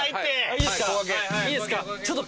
いいですか？